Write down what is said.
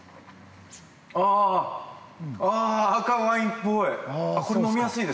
ああ、赤ワインっぽい。